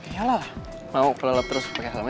iya lah mau kelelep terus pake helmnya